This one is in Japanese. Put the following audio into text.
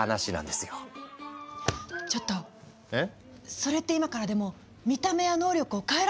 それって今からでも見た目や能力を変えられるってこと？